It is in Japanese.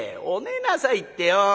「お寝なさいってよ